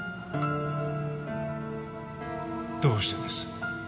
どうしてです？